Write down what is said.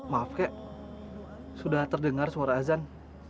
maaf kek sudah terdengar suara azan